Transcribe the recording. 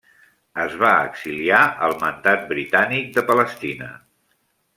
Es va exiliar al Mandat Britànic de Palestina.